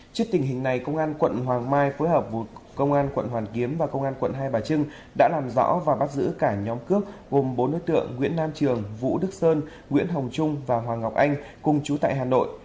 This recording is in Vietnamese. trước tình hình này công an quận hoàng mai phối hợp công an quận hoàn kiếm và công an quận hai bà trưng đã làm rõ và bắt giữ cả nhóm cướp gồm bốn đối tượng nguyễn nam trường vũ đức sơn nguyễn hồng trung và hoàng ngọc anh cùng chú tại hà nội